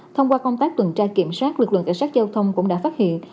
thông qua công tác tuần tra kiểm soát lực lượng cảnh sát giao thông cũng đã phát hiện